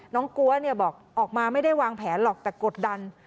กลัวบอกออกมาไม่ได้วางแผนหรอกแต่กดดัน